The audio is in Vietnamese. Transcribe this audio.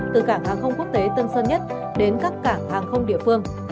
từ cảng hàng không quốc tế tân sơn nhất đến các cảng hàng không địa phương